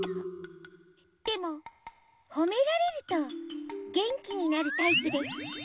でもほめられるとげんきになるタイプです。